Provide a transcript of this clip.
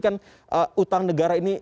kan utang negara ini